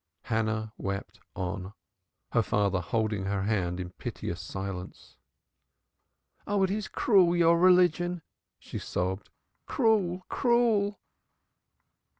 Hannah wept on her father holding her hand in piteous silence. "Oh, it is cruel, your religion," she sobbed. "Cruel, cruel!"